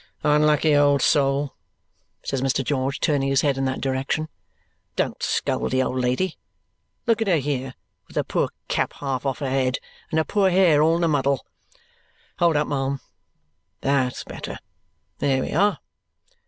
"Unlucky old soul!" says Mr. George, turning his head in that direction. "Don't scold the old lady. Look at her here, with her poor cap half off her head and her poor hair all in a muddle. Hold up, ma'am. That's better. There we are!